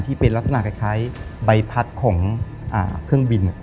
ที่เป็นลักษณะคล้ายใบพัดของเครื่องบิน